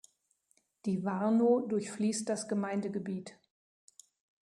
Die Warnow durchfließt das Gemeindegebiet.